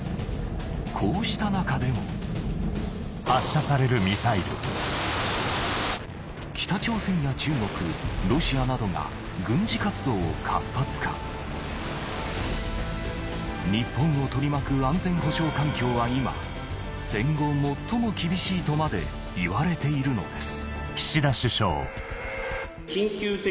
こうした中でも北朝鮮や中国ロシアなどが軍事活動を活発化日本を取り巻く安全保障環境は今「戦後最も厳しい」とまでいわれているのです